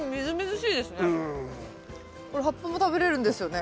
これ葉っぱも食べれるんですよね？